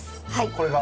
これが？